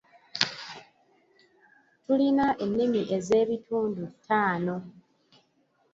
Tulina ennimi ez'ebitundu taana.